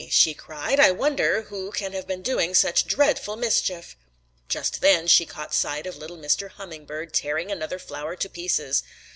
she cried. 'I wonder who can have been doing such dreadful mischief!' "Just then she caught sight of little Mr. Hummingbird tearing another flower to pieces.